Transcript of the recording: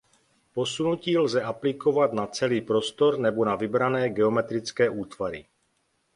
Posunutí lze aplikovat na celý prostor nebo na vybrané geometrické útvary.